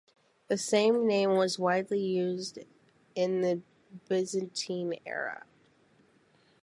The same name was widely used in the Byzantine era.